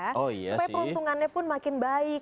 supaya peruntungannya pun makin baik